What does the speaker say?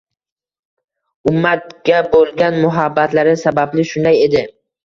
Ummatgabo‘lgan muhabbatlari sababli shunday edi